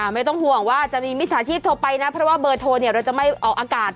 ไม่ต้องห่วงว่าจะมีมิจฉาชีพโทรไปนะเพราะว่าเบอร์โทรเราจะไม่ออกอากาศ